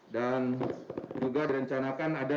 dan juga direncanakan ada